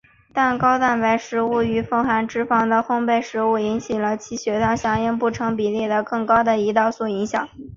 但高蛋白食物与富含脂肪的烘培食物引起与其血糖响应不成比例的的更高的胰岛素响应。